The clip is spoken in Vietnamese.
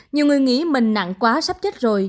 nhiều người nghĩ mình nặng quá sắp chết rồi